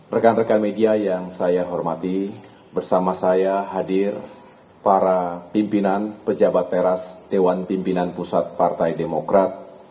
rekan rekan media yang saya hormati bersama saya hadir para pimpinan pejabat teras dewan pimpinan pusat partai demokrat